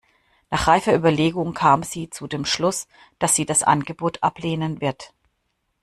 Nach reifer Überlegung kam sie zu dem Schluss, dass sie das Angebot ablehnen wird.